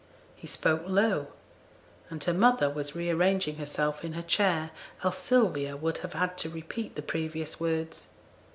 He spoke low, and her mother was rearranging herself in her chair, else Sylvia would have had to repeat the previous words.